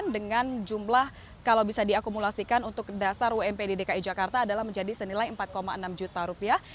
dengan jumlah kalau bisa diakumulasikan untuk dasar ump di dki jakarta adalah menjadi senilai empat enam juta rupiah